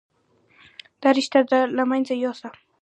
دا رشته له منځه يوسه.